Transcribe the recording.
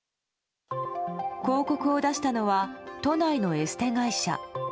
広告を出したのは都内のエステ会社。